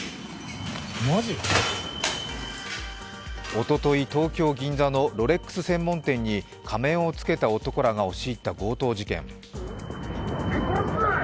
おととい、東京・銀座のロレックス専門店に仮面を着けた男らが押し入った強盗事件。